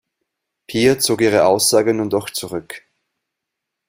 Pia zog ihre Aussage nun doch zurück.